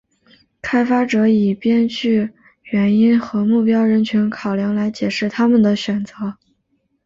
开发者以编剧原因和目标人群考量来解释他们的选择。